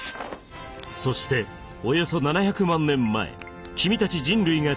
そしておよそ７００万年前君たち人類が登場。